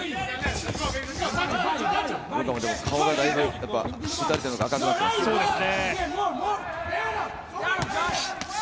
顔がだいぶ打たれてるのか赤くなってますね。